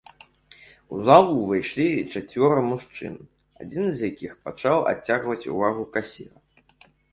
У залу ўвайшлі чацвёра мужчын, адзін з якіх пачаў адцягваць увагу касіра.